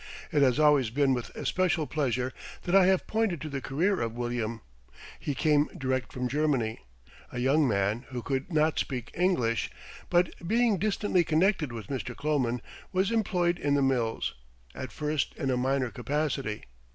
It has always been with especial pleasure that I have pointed to the career of William. He came direct from Germany a young man who could not speak English, but being distantly connected with Mr. Kloman was employed in the mills, at first in a minor capacity.